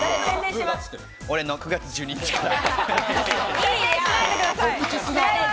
俺の９月１２日から。